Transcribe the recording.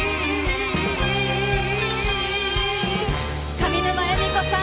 上沼恵美子さん